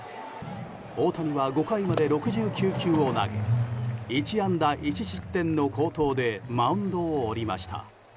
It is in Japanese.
大谷は５回まで６９球を投げ１安打１失点の好投でマウンドを降りました。